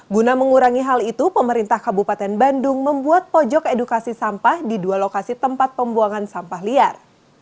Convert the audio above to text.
guna mengurangi hal itu pemerintah kabupaten bandung membuat pojok edukasi sampah di dua lokasi tempat pembuangan sampah liar